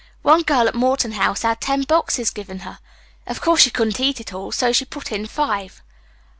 One girl at Morton House had ten boxes given her. Of course, she couldn't eat it all, so she put in five."